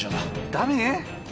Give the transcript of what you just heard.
ダミー！？